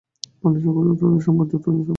পালিয়ে যাও, যত দূরে সম্ভব, যত দ্রুত সম্ভব!